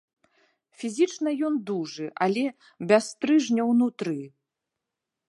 Фізічна ён дужы, але без стрыжня ўнутры.